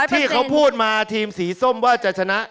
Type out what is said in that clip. ที่เขาพูดมาทีมสีส้มว่าจะชนะ